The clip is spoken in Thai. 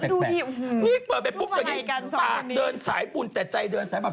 เปิดไปปุ๊ปจะได้ฟิล์มปากเดินสายบุญแต่ใจเดินสายบาป